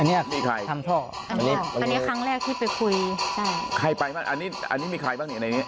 อันนี้อ่ะทำท่ออันนี้ครั้งแรกที่ไปคุยใครไปบ้างอันนี้มีใครบ้างเนี่ย